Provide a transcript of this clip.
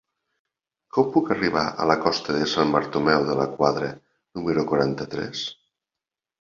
Com puc arribar a la costa de Sant Bartomeu de la Quadra número quaranta-tres?